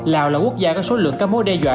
lào là quốc gia có số lượng các mối đe dọa